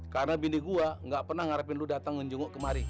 karena bini gue gak pernah ngarepin lu datang ngenjenguk kemari